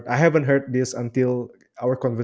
di dalam perbicaraan kita hari ini